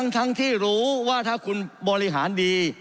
ทั้งที่รู้ว่าถ้าคุณบริหารดี